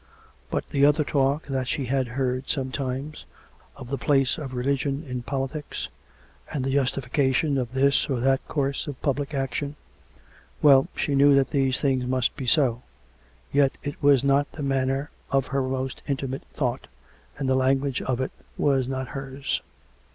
But the other talk that she had heard sometimes — of the place of religion in politics, and the justification of this or that course of public action — well, she knew that these things must be so ; yet it was not the manner of her own most intimate thought, and the language of it was not hers.